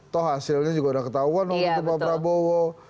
toh hasilnya juga udah ketahuan untuk pak prabowo